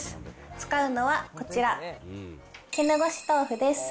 使うのはこちら、絹ごし豆腐です。